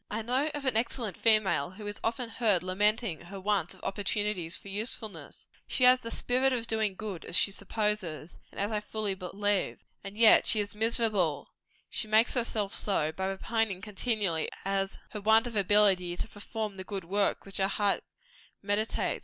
I know of an excellent female who is often heard lamenting her want of opportunity for usefulness. She has the spirit of doing good as she supposes, and as I fully believe. And yet she is miserable she makes herself so by repining continually at her want of ability to perform the good works which her heart meditates.